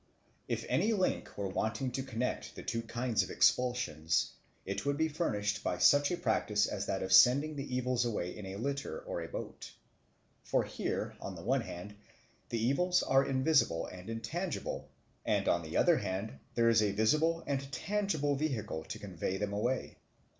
If any link were wanting to connect the two kinds of expulsion, it would be furnished by such a practice as that of sending the evils away in a litter or a boat. For here, on the one hand, the evils are invisible and intangible; and, on the other hand, there is a visible and tangible vehicle to convey them away.